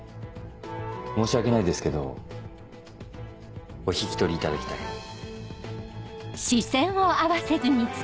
申し訳ないですけどお引き取りいただきたい。